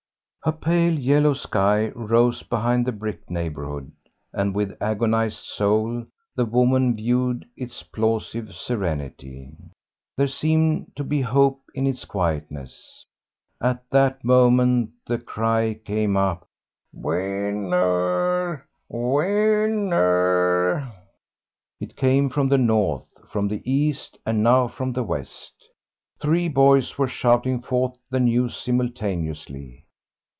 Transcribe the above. A pale yellow sky rose behind the brick neighbourhood, and with agonised soul the woman viewed its plausive serenity. There seemed to be hope in its quietness. At that moment the cry came up, "Win ner, Win ner." It came from the north, from the east, and now from the west. Three boys were shouting forth the news simultaneously.